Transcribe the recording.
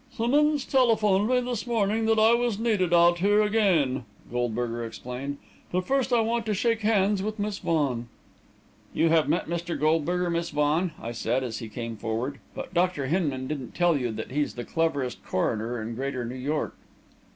"Simmonds telephoned me this morning that I was needed out here again," Goldberger explained. "But first I want to shake hands with Miss Vaughan." "You have met Mr. Goldberger, Miss Vaughan," I said, as he came forward, "but Dr. Hinman didn't tell you that he's the cleverest coroner in greater New York."